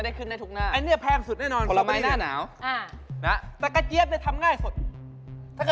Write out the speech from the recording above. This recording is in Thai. นี่คุณมีความรู้เกี่ยวกับกระเจี๊บได้ดีมาก